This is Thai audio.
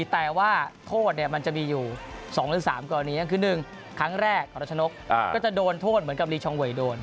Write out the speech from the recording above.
แต่ว่าโทษเนี่ยมันจะมีอยู่๒หรือ๓กรณีก็คือ๑ครั้งแรกของรัชนกก็จะโดนโทษเหมือนกับลีชองเวยโดน